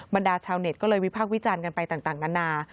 บรรดาชาวเน็ตก็เลยวิพากษ์วิจารณ์กันไปต่างนานา